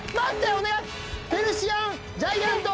お願い。